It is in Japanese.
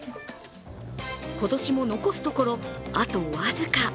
今年も残すところ、あと僅か。